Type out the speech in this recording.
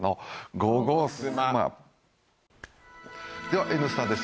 は「Ｎスタ」です。